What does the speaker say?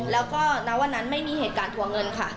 แล้วก็ณวันนั้นไม่มีเหตุการณ์ทัวร์เงินค่ะ